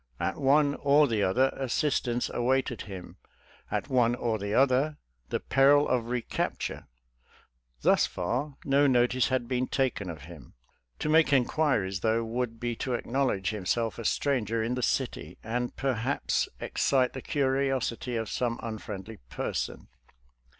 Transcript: At one or : the other, assistance awaited him— at one or the other, the peril of recapture. Thus far, no notice had been taken of him; Td make inquiries, though, would be to acknowledge himself a stranger in the city,' and perhaps ex citC' the curiosity of some unfriendly person.